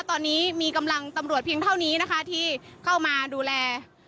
ตอนนี้มีกำลังตำรวจเพียงเท่านี้นะคะที่เข้ามาดูแล